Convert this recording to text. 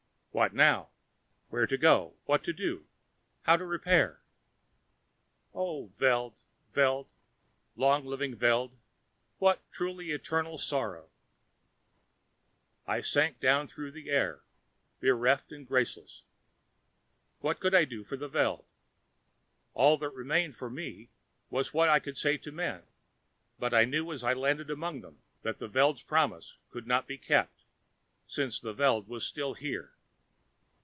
What now? Where to go, what to do, how to repair? Oh, Veld, Veld, long living Veld, what truly eternal sorrow! I sank down through the air, bereft and graceless. What could I do for the Veld? All that remained to me was what I could say to men. But I knew as I landed among them that the Veld's promise could not be kept, since the Veld was still here.